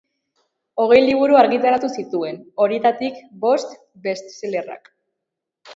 Hogei liburu argitaratu zituen, horietatik bost best-sellerrak.